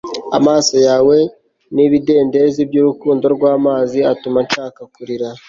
amaso yawe ni ibidendezi byurukundo rwamazi atuma nshaka kurira